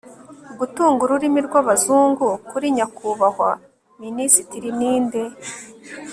gutunga ururimi rwabazungu kuri nyakubahwa minisitiri, ninde